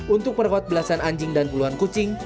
untuk merawat belasan anjing dan puluhan kucing